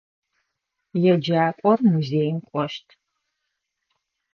Еджакӏор музеим кӏощт.